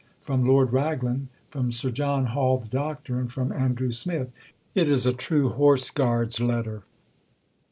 from Lord Raglan, from Sir John Hall (the doctor) and from Andrew Smith. It is a true "Horse Guards" letter.